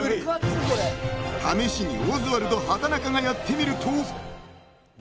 ［試しにオズワルド畠中がやってみると］